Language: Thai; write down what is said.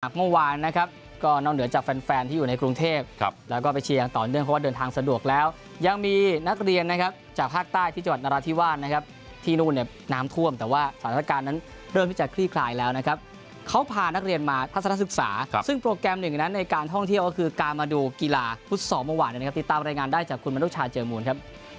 หากเมื่อวานนะครับก็นอกเหนือจากแฟนที่อยู่ในกรุงเทพครับแล้วก็ไปเชียงต่อเนื่องเขาว่าเดินทางสะดวกแล้วยังมีนักเรียนนะครับจากภาคใต้ที่จังหวัดนรทิวาลนะครับที่นู่นน้ำท่วมแต่ว่าสถานการณ์นั้นเริ่มที่จะคลี่คลายแล้วนะครับเขาพานักเรียนมาทัศนศึกษาซึ่งโปรแกรมหนึ่งนั้นในการท่องเที่ยวก็คื